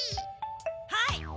はい！